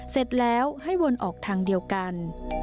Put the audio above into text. เสร็จแล้วให้วนออกทางเดียวกัน